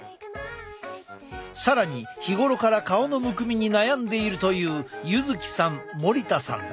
更に日頃から顔のむくみに悩んでいるという柚木さん森田さんだ。